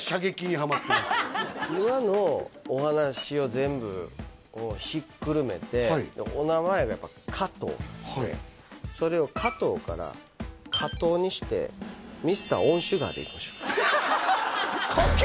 今のお話を全部をひっくるめてお名前がやっぱそれを加藤から加糖にしてミスターオンシュガーでいきましょうあれ？